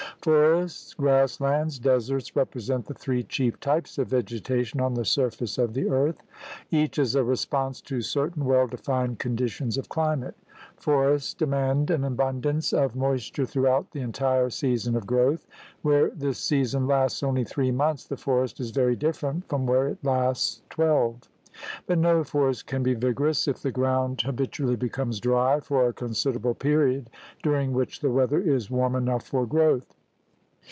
Forests, grass lands, deserts, represent the three chief types of vegetation on the surface of the earth. Each is a response to certain well defined condi tions of climate. Forests demand an abundance of 88 I THE GARMENT OF VEGETATION 89 moisture throughout the entire season of growth. Where this season lasts only three months the forest is very different from where it lasts twelve. But no forest can be vigorous if the ground habitu ally becomes dry for a considerable period during which the weather is warm enough for growth.